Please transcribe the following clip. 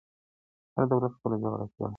هر دولت خپله جغرافیه لري.